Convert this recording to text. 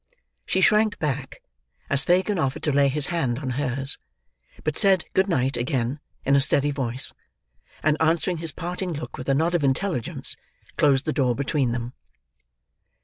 She shrank back, as Fagin offered to lay his hand on hers, but said good night again, in a steady voice, and, answering his parting look with a nod of intelligence, closed the door between them.